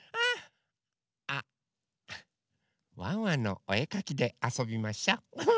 あ「ワンワンのおえかき」であそびましょ。